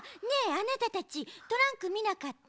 あなたたちトランクみなかった？